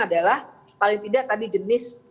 adalah paling tidak tadi jenis